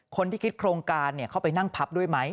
คนที่คิดโครงการเข้าไปนั่งพับด้วยไหม